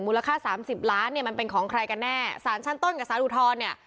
ค่าสามสิบล้านเนี่ยมันเป็นของใครกันแน่สารชั้นต้นกับสารอุทธรณ์เนี่ย